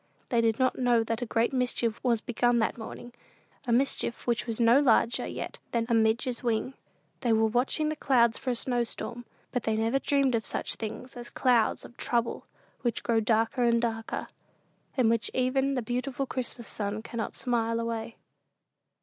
They did not know that a great mischief was begun that morning a mischief which was no larger yet than "a midge's wing." They were watching the clouds for a snow storm; but they never dreamed of such things as clouds of trouble, which grow darker and darker, and which even the beautiful Christmas sun cannot "smile away."